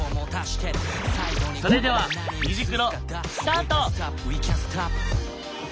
それでは「虹クロ」スタート！